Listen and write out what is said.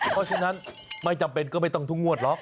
เพราะฉะนั้นไม่จำเป็นก็ไม่ต้องทุกงวดหรอก